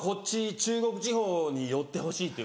中国地方に寄ってほしいっていう。